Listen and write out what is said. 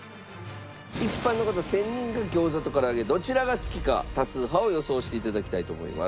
一般の方１０００人が餃子とから揚げどちらが好きか多数派を予想して頂きたいと思います。